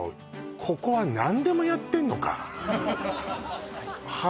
ここは何でもやってんのか？